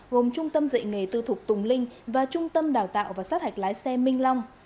gồm trung tâm dạy nghề tư thục tùng linh và trung tâm đào tạo và sát hạch lái xe minh long